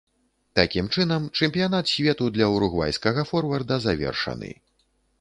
Такім чынам, чэмпіянат свету для уругвайскага форварда завершаны.